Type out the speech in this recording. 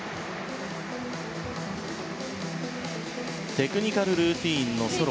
テクニカルルーティンのソロ